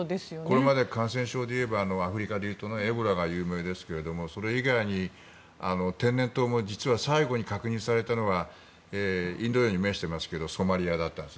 これまで感染症で言えばアフリカでいうとエボラが有名ですけれどもそれ以外に、天然痘も実は最後に確認されたのはインド洋に面していますがソマリアだったんです